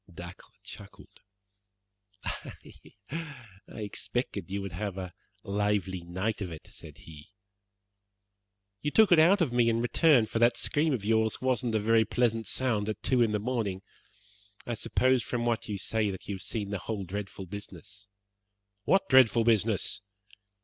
Dacre chuckled. "I expected that you would have a lively night of it," said he. "You took it out of me in return, for that scream of yours wasn't a very pleasant sound at two in the morning. I suppose from what you say that you have seen the whole dreadful business." "What dreadful business?"